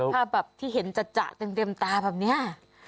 ภาพแบบที่เห็นจัดเต็มตาแบบนี้